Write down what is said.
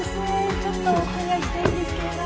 ちょっとお尋ねしたいんですけど。